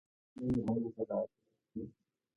له وطنه یې هم فرار کړ.